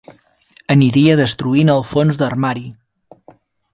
Aniria destruint el fons d'armari.